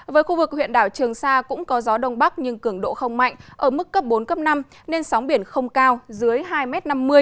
với khu vực huyện đảo trường sa cũng có gió đông bắc nhưng cường độ không mạnh ở mức cấp bốn cấp năm nên sóng biển không cao dưới hai năm mươi m